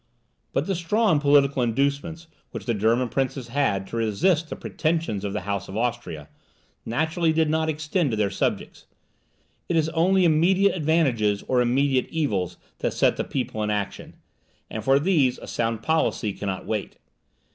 But the strong political inducements which the German princes had to resist the pretensions of the House of Austria, naturally did not extend to their subjects. It is only immediate advantages or immediate evils that set the people in action, and for these a sound policy cannot wait.